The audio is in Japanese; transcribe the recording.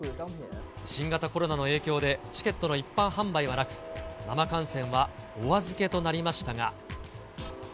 新型コロナの影響でチケットの一般販売はなく、生観戦はお預けとなりましたが。